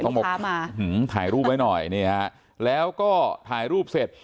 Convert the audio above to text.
บอกภาพมาถ่ายรูปไว้หน่อยนี่ฮะแล้วก็ถ่ายรูปเสร็จ